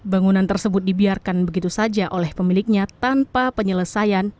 bangunan tersebut dibiarkan begitu saja oleh pemiliknya tanpa penyelesaian